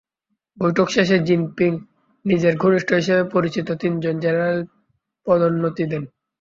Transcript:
বৈঠক শেষে জিনপিং নিজের ঘনিষ্ঠ হিসেবে পরিচিত তিনজন জেনারেলের পদোন্নতি দেন।